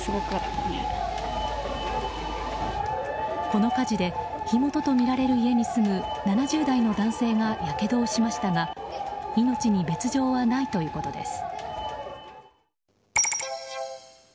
この火事で火元とみられる家に住む７０代の男性がやけどをしましたが命に別条はないということです。